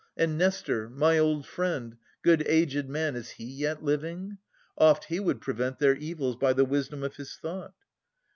And Nestor, my old friend, good aged man, Is he yet living? Oft he would prevent Their evils, by the wisdom of his thought.